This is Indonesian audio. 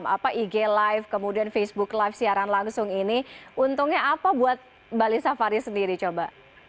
apa ig live kemudian facebook live siaran langsung ini untungnya apa buat bali safari sendiri coba